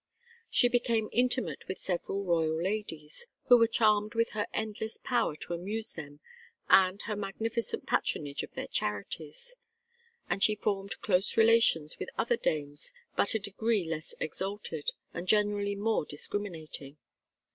She became intimate with several royal ladies, who were charmed with her endless power to amuse them and her magnificent patronage of their charities; and she formed close relations with other dames but a degree less exalted, and generally more discriminating.